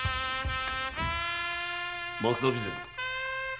松田備前。